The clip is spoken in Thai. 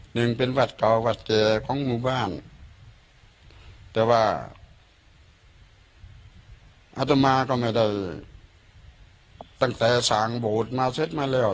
หนึ่งเป็นวัดเก่าวัดแก่ของหมู่บ้านแต่ว่าอัตมาก็ไม่ได้ตั้งแต่สั่งโบสถ์มาเสร็จมาแล้ว